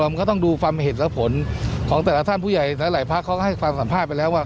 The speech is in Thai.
มันก็ต้องดูความเห็นและผลของแต่ละท่านผู้ใหญ่หลายพักเขาก็ให้ความสัมภาษณ์ไปแล้วว่า